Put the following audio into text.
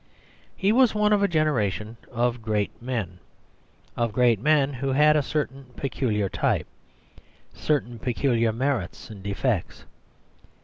He was one of a generation of great men, of great men who had a certain peculiar type, certain peculiar merits and defects.